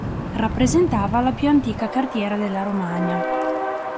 Rappresentava la più antica cartiera della Romagna.